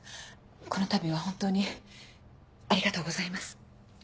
このたびは本当にありがとうございます。